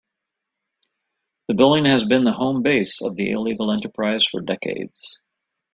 The building has been the home base of the illegal enterprise for decades.